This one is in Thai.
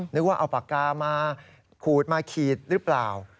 นึกว่าเอาปากกามาขูดมาขีดหรือเปล่า